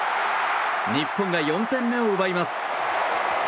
日本が４点目を奪います。